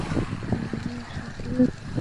আমার মনের সাথে কেন খেললে?